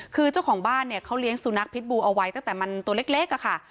คือเจ้าของบ้านเนี่ยเขาเลี้ยงสุนัขพิษบูเอาไว้ตั้งแต่มันตัวเล็กอะค่ะ